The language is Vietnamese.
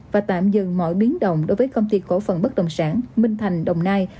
và tạm dừng mọi biến động đối với công ty cổ phần bất đồng sản minh thành đồng nai